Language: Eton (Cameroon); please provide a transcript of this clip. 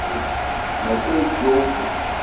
Me te djo